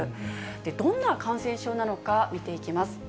どんな感染症なのか見ていきます。